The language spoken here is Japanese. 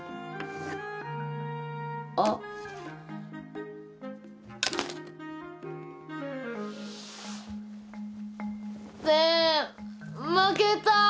あってん負けた！